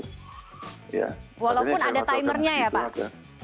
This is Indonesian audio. walaupun ada timernya ya pak